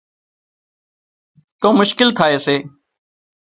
تو مشڪل ٿائي سي